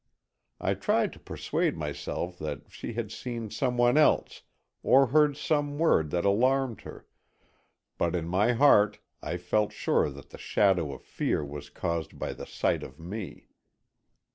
I tried to persuade myself that she had seen some one else or heard some word that alarmed her, but in my heart I felt sure that the shadow of fear was caused by the sight of me.